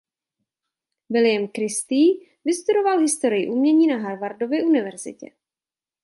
William Christie vystudoval historii umění na Harvardově univerzitě.